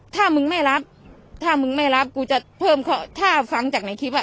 ถ้ามึงไม่รับถ้ามึงไม่รับกูจะเพิ่มถ้าฟังจากในคลิปอ่ะ